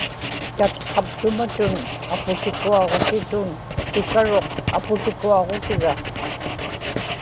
tatqaptumatun aputikuaġutitun sukaruq aputikuaġutiga